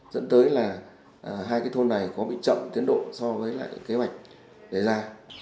dẫn tới là hai cái thôn này có bị chậm tiến độ so với lại kế hoạch đề ra